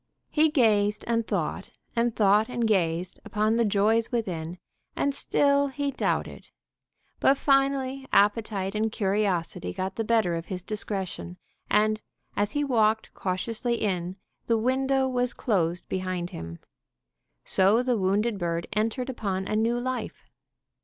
He gazed and thought, and thought and gazed, upon the joys within and still he doubted; but, finally, appetite and curiosity got the better of his discretion, and, as he walked cautiously in, the window was closed behind him. So the wounded bird entered upon a new life.